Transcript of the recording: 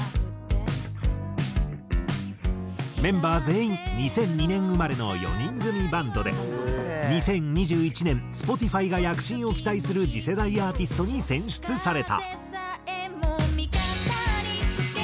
メンバー全員２００２年生まれの４人組バンドで２０２１年Ｓｐｏｔｉｆｙが躍進を期待する次世代アーティストに選出された。